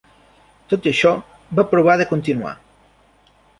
Tot i això, va aprovar de continuar.